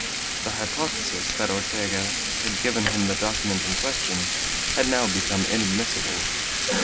The hypothesis that Ortega had given him the document in question had now become admissible.